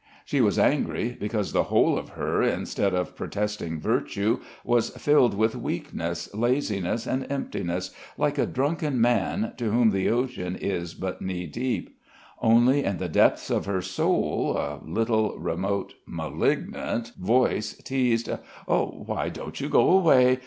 She was angry because the whole of her instead of protesting virtue was filled with weakness, laziness, and emptiness, like a drunken man to whom the ocean is but knee deep; only in the depths of her soul, a little remote malignant voice teased: "Why don't you go away?